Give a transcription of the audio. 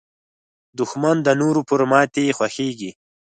دښمن د نورو پر ماتې خوښېږي